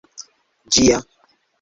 ĝia